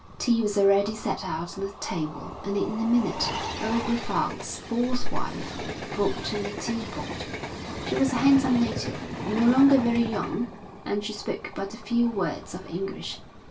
Tea was already set out on the table and in a minute old Brevald's fourth wife brought in the tea pot. She was a handsome native, no longer very young, and she spoke but a few words of English.